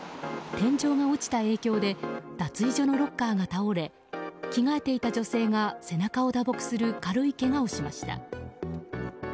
天井が落ちた影響で脱衣所のロッカーが倒れ着替えていた女性が背中を打撲する軽いけがをしました。